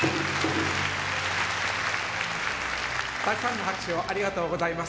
たくさんの拍手をありがとうございます。